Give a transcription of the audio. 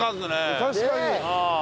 確かに。